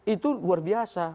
itu luar biasa